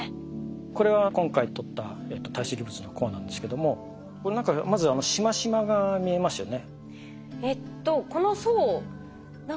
これは今回取った堆積物のコアなんですけどもこれ何かまずしましまが見えますよね。